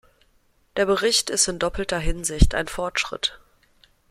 Der Bericht ist in doppelter Hinsicht ein Fortschritt.